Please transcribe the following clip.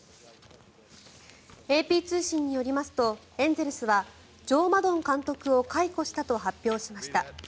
ＡＰ通信によりますとエンゼルスはジョー・マドン監督を解雇したと発表しました。